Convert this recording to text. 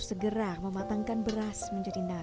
suami landep telah meninggal